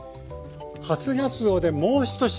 初がつおでもう１品。